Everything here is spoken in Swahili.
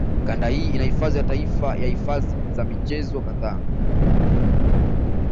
Kanda hii ina hifadhi za taifa na hifadhi za michezo kadhaa